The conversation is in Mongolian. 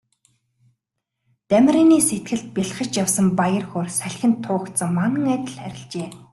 Дамираны сэтгэлд бялхаж явсан баяр хөөр салхинд туугдсан манан адил арилжээ.